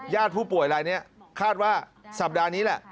ญาติผู้ป่วยอะไรนี้คาดว่าสัปดาห์นี้แหละ